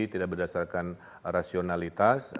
tidak berdasarkan rasionalitas